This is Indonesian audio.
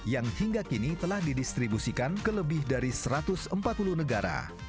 yang hingga kini telah didistribusikan ke lebih dari satu ratus empat puluh negara